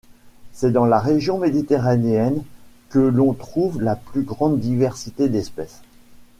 C'est dans la région méditerranéenne que l'on trouve la plus grande diversité d'espèces.